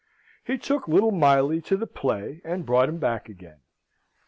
He took little Miley to the play and brought him back again.